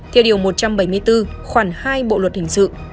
theo điều một trăm bảy mươi bốn khoảng hai bộ luật hình sự